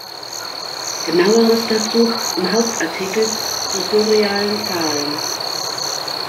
Genaueres dazu im Hauptartikel zu surrealen Zahlen.